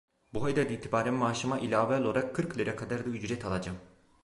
Bu aydan itibaren maaşıma ilave olarak kırk lira kadar da ücret alacağım…